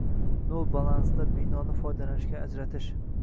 Nol balansda binoni foydalanishga ajratish.